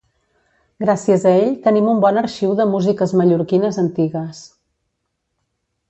Gràcies a ell tenim un bon arxiu de músiques mallorquines antigues